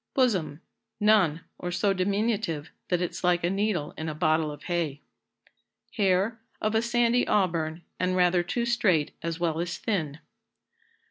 Bosom. None; or so diminutive, that it's like a needle in a bottle of hay. Hair. Of a sandy auburn, and rather too straight as well as thin.